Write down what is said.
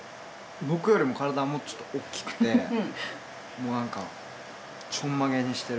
僕よりも体もうちょっと大きくてもうなんかちょんまげにしてる。